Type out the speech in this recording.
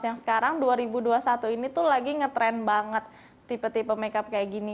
yang sekarang dua ribu dua puluh satu ini tuh lagi ngetrend banget tipe tipe makeup kayak gini